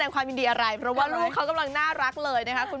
กำลังดี